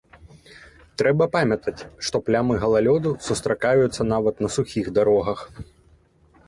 Трэба памятаць, што плямы галалёду сустракаюцца нават на сухіх дарогах.